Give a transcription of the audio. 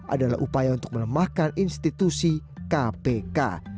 adalah upaya untuk melemahkan institusi kpk